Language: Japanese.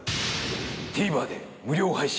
ＴＶｅｒで無料配信。